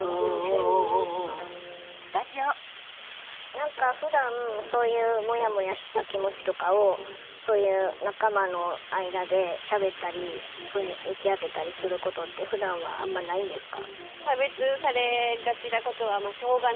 何かふだんそういうもやもやした気持ちとかをそういう仲間の間でしゃべったり打ち明けたりすることってふだんはあんまないんですか？